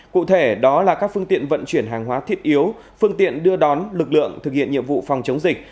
cụ thể đó là các phương tiện vận chuyển hàng hóa thiết yếu phương tiện đưa đón lực lượng thực hiện nhiệm vụ phòng chống dịch